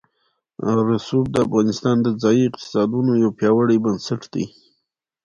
رسوب د افغانستان د ځایي اقتصادونو یو پیاوړی بنسټ دی.